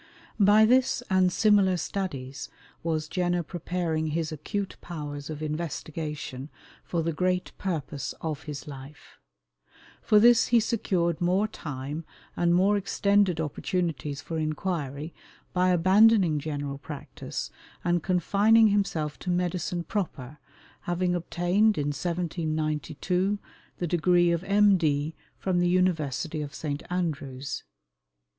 By this and similar studies was Jenner preparing his acute powers of investigation for the great purpose of his life. For this he secured more time and more extended opportunities for inquiry by abandoning general practice, and confining himself to medicine proper, having obtained, in 1792, the degree of M.D. from the University of St. Andrews.